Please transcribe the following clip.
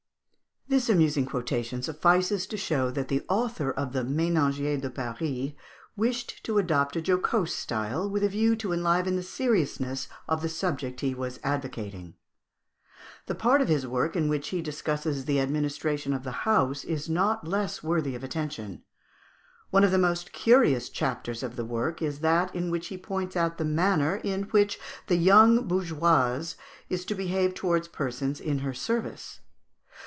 This amusing quotation suffices to show that the author of the "Ménagier de Paris" wished to adopt a jocose style, with a view to enliven the seriousness of the subject he was advocating. The part of his work in which he discusses the administration of the house is not less worthy of attention. One of the most curious chapters of the work is that in which he points out the manner in which the young bourgeoise is to behave towards persons in her service.